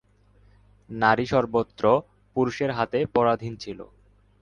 নারী সর্বত্র পুরুষের হাতে পরাধীন ছিল।